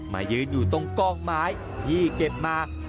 มายืนอยู่ตรงกองไม้ที่เก็บมา